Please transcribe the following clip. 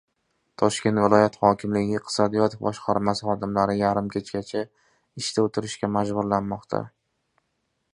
Toshkent viloyati hokimligi iqtisodiyot boshqarmasi xodimlari yarim kechagacha ishda o‘tirishga majburlanmoqda